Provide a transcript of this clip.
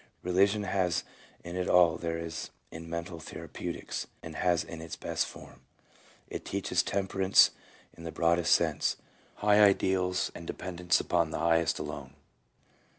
Religion has in it all there is in mental therapeutics, and has it in its best form. It teaches temperance in the broadest sense, high ideals and dependence upon the highest alone.